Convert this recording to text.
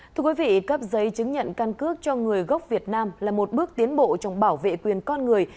thưa quý vị cấp giấy chứng nhận căn cước cho người gốc việt nam là một bước tiến bộ trong bảo vệ quyền con người